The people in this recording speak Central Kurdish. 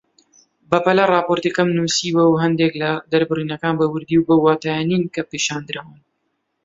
بەپەلە راپۆرتەکەم نووسیوە و هەندێک لە دەربڕینەکان بە وردی بەو واتایە نین کە پیشاندراون